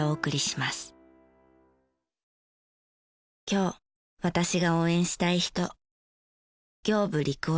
今日私が応援したい人。